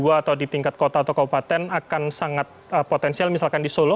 atau di tingkat kota atau kabupaten akan sangat potensial misalkan di solo